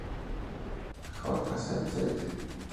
J. Cell Set.